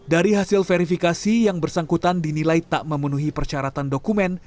dari hasil verifikasi yang bersangkutan dinilai tak memenuhi persyaratan dokumen